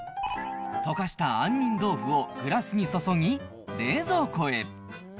溶かした杏仁豆腐をグラスに注ぎ、冷蔵庫へ。